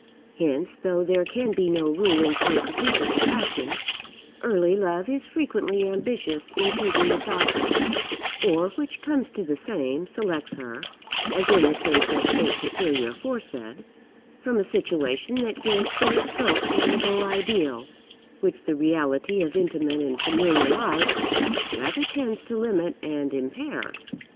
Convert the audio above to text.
Hence, though there can be no rule in so capricious a passion, early love is frequently ambitious in choosing its object; or, which comes to the same, selects her (as in the case of Saint Cecilia aforesaid) from a situation that gives fair scope for le beau ideal, which the reality of intimate and familiar life rather tends to limit and impair.